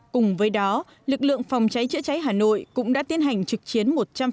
cùng với đó lực lượng phòng cháy chữa cháy hà nội cũng đã tiến hành trực chiến một trăm linh